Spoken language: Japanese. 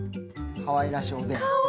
かわいらしいおでん。